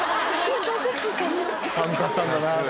寒かったんだなって。